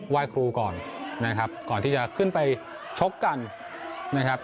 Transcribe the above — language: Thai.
ไหว้ครูก่อนนะครับก่อนที่จะขึ้นไปชกกันนะครับ